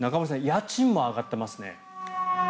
家賃も上がってますね？